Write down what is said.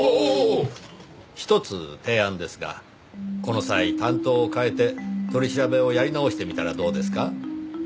ひとつ提案ですがこの際担当を変えて取り調べをやり直してみたらどうですか？